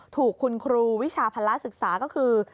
ถูกคุณครูวิชาภาระศึกษาก็คือ